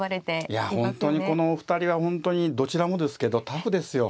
いや本当にこのお二人は本当にどちらもですけどタフですよ。